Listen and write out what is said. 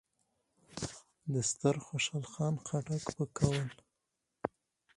د ستر خوشحال خان خټک په قول: